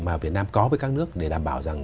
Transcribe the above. mà việt nam có với các nước để đảm bảo rằng